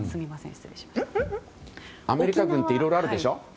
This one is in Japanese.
アメリカ軍っていろいろあるでしょ？